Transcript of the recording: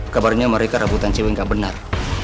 kabarnya mereka rabutan ciwin nggak benar